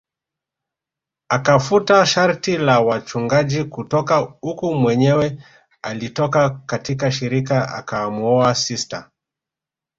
Akafuta sharti la wachungaji kutooa uku Mwenyewe alitoka katika shirika akamuoa sista